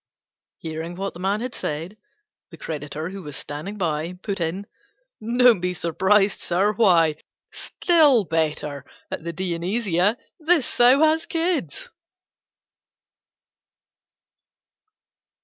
At that the creditor, who was standing by, put in, "Don't be surprised, sir; why, still better, at the Dionysia this Sow has kids!"